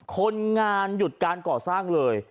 คนงานหยุดการก่อสร้างเลย